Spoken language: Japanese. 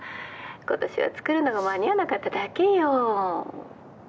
今年は作るのが間に合わなかっただけよ。